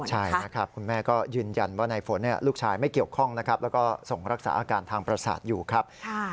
ใช่นะครับคุณแม่ก็ยืนยันว่าในฝนลูกชายไม่เกี่ยวข้องนะครับแล้วก็ส่งรักษาอาการทางประสาทอยู่ครับ